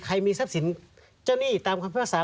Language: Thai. ใครมีทรัพย์สินเจ้านี่ตามคำพิวัษา